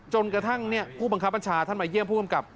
จนกระทั่งผู้บังคับบัญชาท่านมาเยี่ยมผู้กำกับ